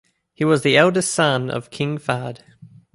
He was the eldest son of King Fahd.